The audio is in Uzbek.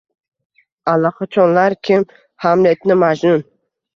Allaqachonlarkim Hamletni majnun.